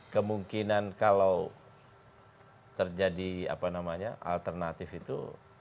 kemungkinan kalau terjadi alternatif itu